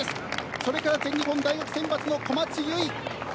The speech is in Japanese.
そして全日本大学選抜の小松優衣。